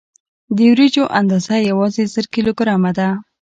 د وریجو اندازه یوازې زر کیلو ګرامه ده.